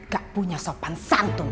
gak punya sopan santun